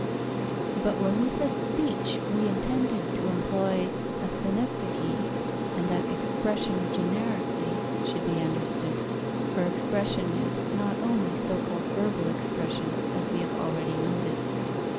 But when we said "speech," we intended to employ a synecdoche, and that "expression" generically, should be understood, for expression is not only so called verbal expression, as we have already noted.